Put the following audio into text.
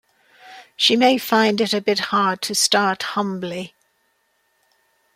She may find it a bit hard to start humbly.